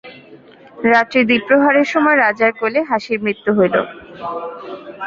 রাত্রি দ্বিপ্রহরের সময় রাজার কোলে হাসির মৃত্যু হইল।